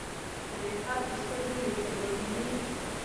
که دې قد په سترګو یو ځل وویني.